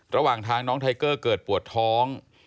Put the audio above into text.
ระหว่างทางน้องไทเกอร์เกิดปวดท้อง